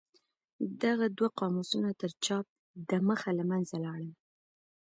دغه دوه قاموسونه تر چاپ د مخه له منځه لاړل.